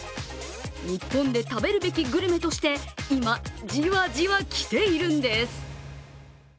日本で食べるべきグルメとして今、じわじわ来ているんです。